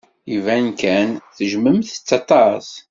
Iban kan tejjmemt-tt aṭas.